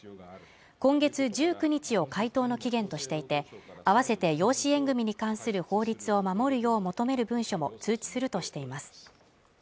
今月１９日を回答の期限としていて合わせて養子縁組に関する法律を守るよう求める文書を通知するとしています